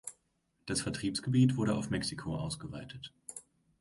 Das Vertriebsgebiet wurde auf Mexiko ausgeweitet.